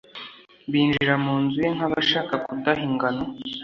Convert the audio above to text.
Binjira mu nzu ye nk’abashaka kudaha ingano